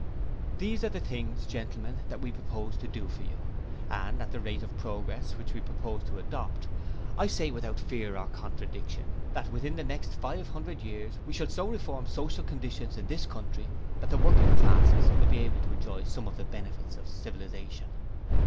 These are the things, Gentlemen, that we propose to do for you, and, at the rate of progress which we propose to adopt, I say without fear or contradiction, that within the next Five Hundred years we shall so reform social conditions in this country, that the working classes will be able to enjoy some of the benefits of civilization.